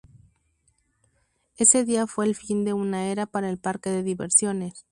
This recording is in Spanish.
Ese día fue el fin de una era para el parque de diversiones.